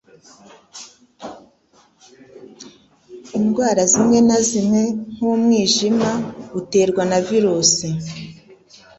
Indwara zimwe na zimwe nk'umwijima uterwa na virusi